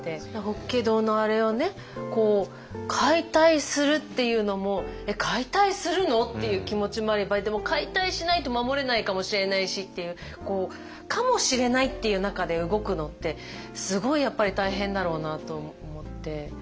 法華堂のあれをね解体するっていうのもえっ解体するの？っていう気持ちもあればでも解体しないと守れないかもしれないしっていう「かもしれない」っていう中で動くのってすごいやっぱり大変だろうなと思って。